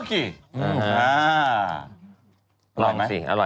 กลิ่นลดเนยสับโปรดนะลดเนย